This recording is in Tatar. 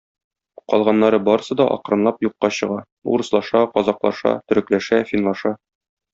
Калганнары барысы да акрынлап юкка чыга - урыслаша, казаклаша, төрекләшә, финлаша.